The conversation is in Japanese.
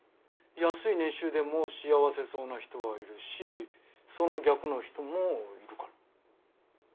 安い年収でも幸せそうな人はいるしその逆の人もいるから。